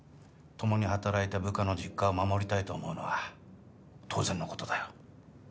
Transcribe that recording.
共に働いた部下の実家を守りたいと思うのは当然のことだよ